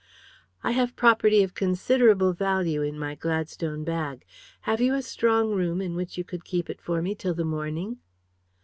"I have property of considerable value in my Gladstone bag. Have you a strong room in which you could keep it for me till the morning?"